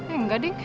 eh enggak deng